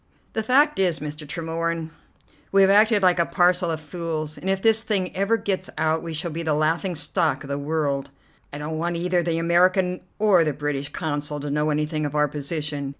"The fact is, Mr. Tremorne, we have acted like a parcel of fools, and if this thing ever gets out we shall be the laughing stock of the world. I don't want either the American or the British Consul to know anything of our position.